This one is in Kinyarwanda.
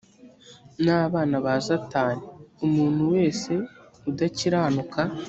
n abana ba satani umuntu wese udakiranuka